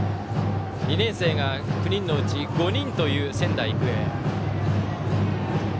２年生が９人のうち５人という仙台育英。